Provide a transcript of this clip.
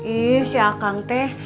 ih si akang teh